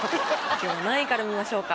今日は何位から見ましょうか？